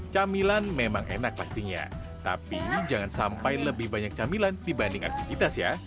camilan memang enak pastinya tapi jangan sampai lebih banyak camilan dibanding aktivitas ya